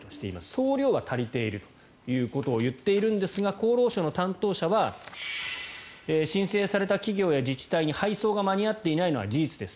総量は足りているということを言っているんですが厚労省の担当者は申請された企業や自治体に配送が間に合っていないのは事実です。